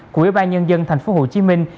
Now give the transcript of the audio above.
của ủy ban nhân dân thành phố hồ chí minh